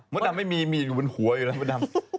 มวิดดำไม่มีนะมีอยู่บนหัวอยู่แหละมวิดดำ